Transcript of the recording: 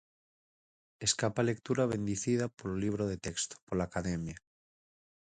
Escapa á lectura bendicida polo libro de texto, pola academia.